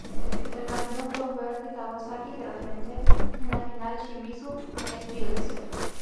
El campeón fue Verdy Kawasaki, tras vencer en la final a Shimizu S-Pulse.